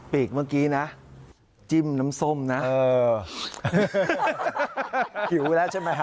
กเมื่อกี้นะจิ้มน้ำส้มนะเออหิวแล้วใช่ไหมฮ